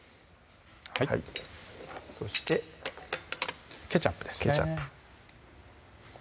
そしてケチャップですね